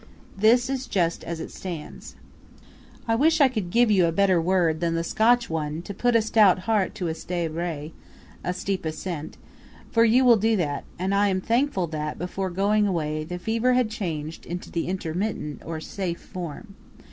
This is just as it stands. I wish I could give you a better word than the Scotch one to "put a stout heart to a stey brae" (a steep ascent) for you will do that; and I am thankful that, before going away, the fever had changed into the intermittent, or safe form.